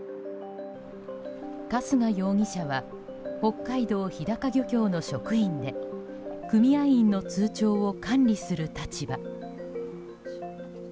春日容疑者は北海道ひだか漁協の職員で組合員の通帳を管理する立場。